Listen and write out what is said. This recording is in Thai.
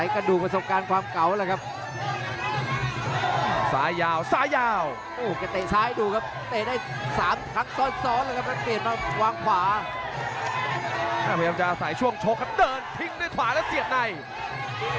กูอย่าต้องคิดหลายขึ้นด้วยครับ